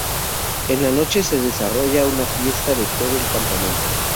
En la noche, se desarrolla una fiesta de todo el campamento.